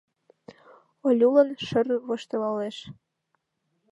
— Олюлан шыр-р воштылалеш.